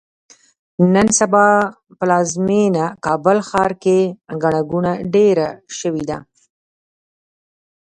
نن سبا پلازمېینه کابل ښار کې ګڼه ګوڼه ډېره شوې ده.